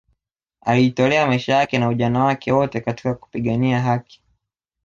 alijitolea maisha yake na ujana wake wote katika kupigania haki